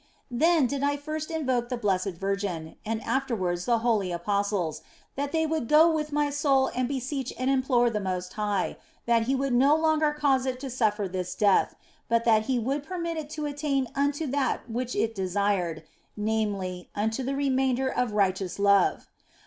Then did I first invoke the Blessed Virgin, and after wards the holy apostles, that they would go with my soul and beseech and implore the Most High that He would no longer cause it to suffer this death, but that He would permit it to attain unto that which it desired, namely, unto the remainder of righteous love.